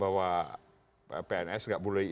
bahwa pns nggak boleh